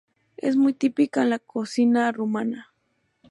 Es muy típica en la cocina rumana.